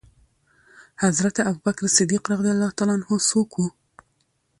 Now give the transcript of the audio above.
حضرت ابوبکر صديق څوک وو؟